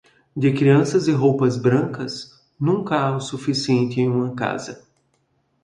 De crianças e roupas brancas, nunca há o suficiente em uma casa.